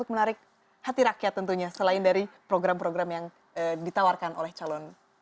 pemilihan umum di kpud kabupaten bekasi